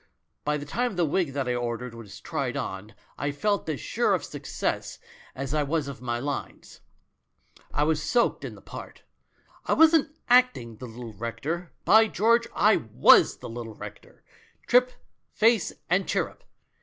By the time the wig that I ordered was tried on I felt as sure of success as I was of my lines! I yvsis soaked in the part. I wasn't acting the little rector — by George, I was the little rector, trip, face and chirrup.